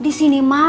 di sini mah